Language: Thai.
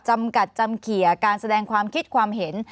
จำกัดจำเขียการแสดงความคิดความเห็น